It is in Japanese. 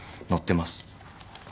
載ってます。